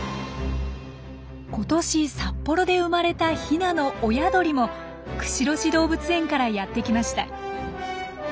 今年札幌で生まれたヒナの親鳥も釧路市動物園からやってきました。